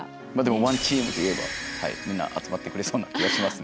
「ＯＮＥＴＥＡＭ」と言えばみんな集まってくれそうな気がしますね。